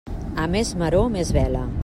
A més maror, més vela.